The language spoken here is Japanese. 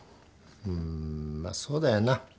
うんまあそうだよな。